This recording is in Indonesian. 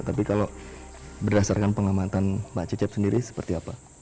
tapi kalau berdasarkan pengamatan mbak cecep sendiri seperti apa